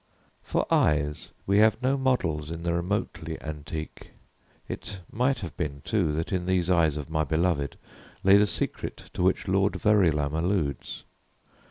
For eyes we have no models in the remotely antique. It might have been, too, that in these eyes of my beloved lay the secret to which Lord Verulam alludes.